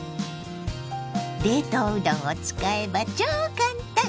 冷凍うどんを使えば超簡単！